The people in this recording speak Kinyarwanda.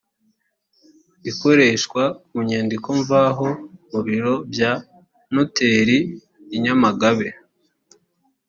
ikoreshwa ku nyandiko mvaho mu biro bya noteri i nyamagabe